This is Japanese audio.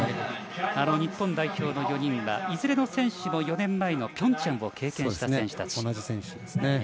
日本代表の４人はいずれの選手も４年前のピョンチャンを経験した選手たち。